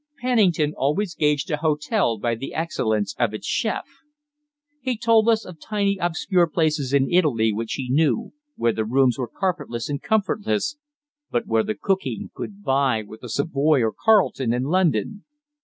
Pennington always gauged a hotel by the excellence of its chef. He told us of tiny obscure places in Italy which he knew, where the rooms were carpetless and comfortless, but where the cooking could vie with the Savoy or Carlton in London.